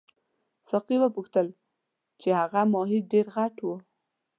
ساقي وپوښتل چې هغه ماهي ډېر غټ وو.